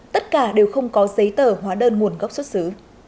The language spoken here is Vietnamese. tất cả đều không có giấy tờ hóa đơn nguồn gốc xuất xứ